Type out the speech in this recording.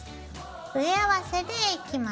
上合わせでいきます。